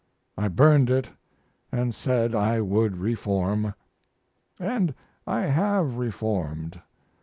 I burned it & said I would reform. And I have reformed.